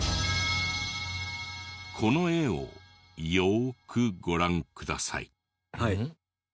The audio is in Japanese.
この絵をよーくご覧ください。